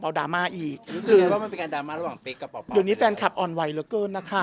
วันนี้แฟนครับอ่อนไหวเหลือเกินนะคะ